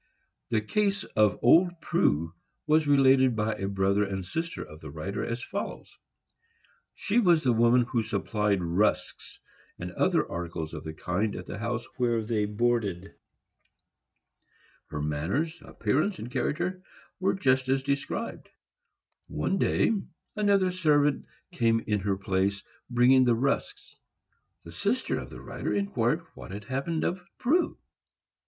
The case of old Prue was related by a brother and sister of the writer, as follows: She was the woman who supplied rusks and other articles of the kind at the house where they boarded. Her manners, appearance and character, were just as described. One day another servant came in her place, bringing the rusks. The sister of the writer inquired what had become of Prue.